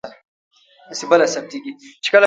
ډېر نادر چاپي آثار یې درلودل.